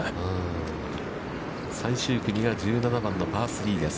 最終組が１７番のパー３です。